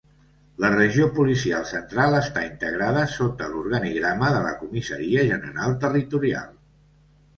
La Regió Policial Central està integrada sota l'organigrama de la Comissaria General Territorial.